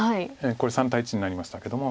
これ３対１になりましたけども。